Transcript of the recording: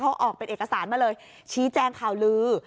เขาออกเป็นเอกสารมาเลยชี้แจงข่าวลือ